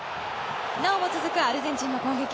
なおも続くアルゼンチンの攻撃。